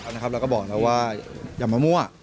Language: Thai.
นะครับเราก็บอกแล้วว่าอย่ามามั่ว